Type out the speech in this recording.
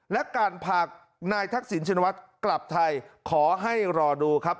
และการพานายทักษิณชินวัฒน์กลับไทยขอให้รอดูครับ